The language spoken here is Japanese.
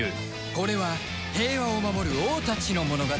これは平和を守る王たちの物語